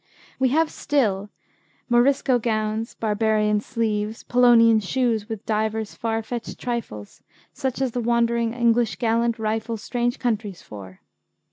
We have still: 'Morisco gowns, Barbarian sleeves, Polonian shoes, with divers far fetcht trifles; Such as the wandering English galant rifles Strange countries for.'